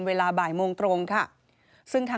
เวลาบ่ายโมงตรงค่ะ